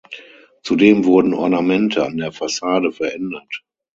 Zudem wurden Ornamente an der Fassade verändert.